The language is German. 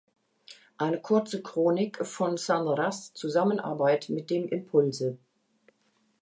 Eine kurze Chronik von Sun Ras Zusammenarbeit mit dem Impulse!